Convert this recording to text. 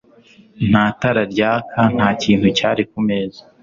Nta tara ryaka Nta kintu cyari ku meza